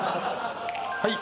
はい。